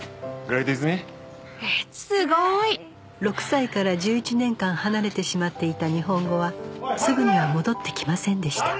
６歳から１１年間離れてしまっていた日本語はすぐには戻ってきませんでした